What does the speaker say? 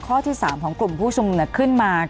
ข้อที่๓ของกลุ่มผู้ชุมนุมขึ้นมา